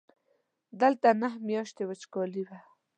دلته نهه میاشتې وچکالي وه.